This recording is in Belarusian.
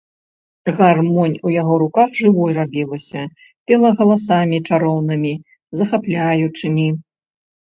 Гармонь у яго руках жывой рабілася, пела галасамі чароўнымі, захапляючымі.